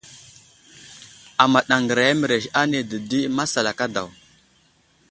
Amaɗ agəra mərez ane dədi masalaka daw.